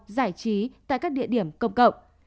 giải trí tại các địa điểm công cộng